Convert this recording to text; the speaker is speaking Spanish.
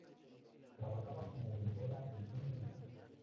Trabajaba como vendedora en una tienda.